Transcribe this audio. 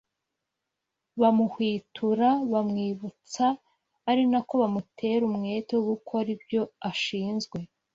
Bamuhwitura: bamwibutsa ari nako bamutera umwete wo gukora ibyo ashinzwe